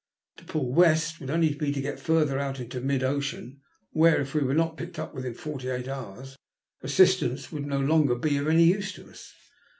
To pull west would only be to get further out into mid oceauy where, if we were not picked up within forty eight hours, assistance would no longer be of any use to us.